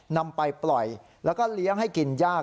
นำไปปล่อยแล้วก็เลี้ยงให้กินยาก